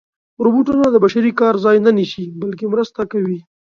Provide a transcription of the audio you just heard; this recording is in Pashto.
روبوټونه د بشري کار ځای نه نیسي، بلکې مرسته کوي.